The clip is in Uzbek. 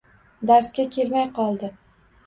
Darsga kelmay qoldi